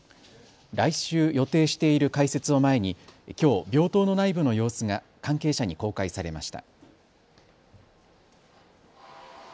来週予定している開設を前にきょう病棟の内部の様子が関係者に公開されました。